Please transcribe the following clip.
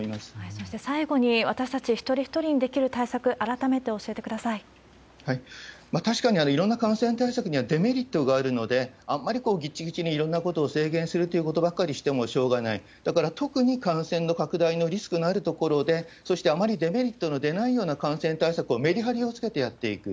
そして最後に、私たち一人一人にできる対策、改めて教えてく確かにいろんな感染対策にはデメリットがあるので、あまりぎちぎちにいろんなことを制限するってことばかりをしてもしょうがない。だから特に感染の拡大のリスクのあるところで、そしてあまりデメリットの出ないような感染対策を、メリハリをつけてやっていく。